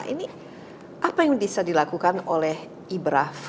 ini apa yang bisa dilakukan oleh ibraf